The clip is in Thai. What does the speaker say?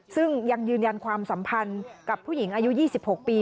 ซึ่งยังยืนยันความสัมพันธ์กับผู้หญิงอายุ๒๖ปี